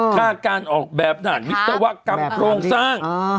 ค่าการออกแบบด่านวิศวกรรมโครงสร้าง